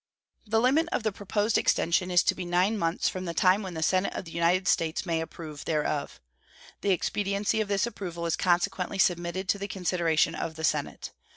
The limit of the proposed extension is to be nine months from the time when the Senate of the United States may approve thereof. The expediency of this approval is consequently submitted to the consideration of the Senate.